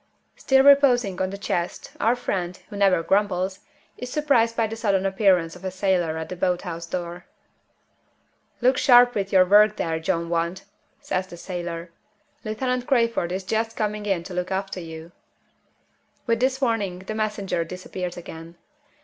Still reposing on the chest, our friend, who never grumbles, is surprised by the sudden appearance of a sailor at the boat house door. "Look sharp with your work there, John Want!" says the sailor. "Lieutenant Crayford is just coming in to look after you." With this warning the messenger disappears again.